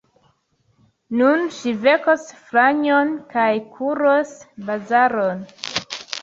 Nun ŝi vekos Franjon kaj kuros bazaron.